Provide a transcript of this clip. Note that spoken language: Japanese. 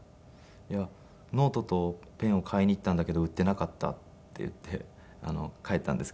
「いやノートとペンを買いに行ったんだけど売ってなかった」って言って帰ったんですけど。